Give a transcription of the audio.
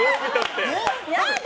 やだ！